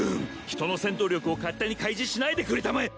人の戦闘力を勝手に開示しないでくれたまえ